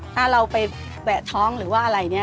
ถ้าเราไปแวะท้องหรือว่าอะไรเนี่ย